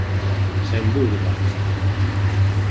Sen dúbida.